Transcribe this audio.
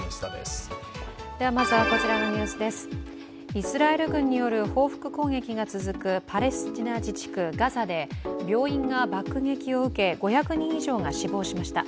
イスラエル軍による報復攻撃が続くパレスチナ自治区ガザで病院が爆撃を受け５００人以上が死亡しました。